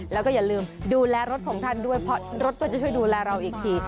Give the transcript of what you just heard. แล้วก็อย่าลืมดูแลรถของท่านด้วยเพราะรถก็จะช่วยดูแลเราอีกที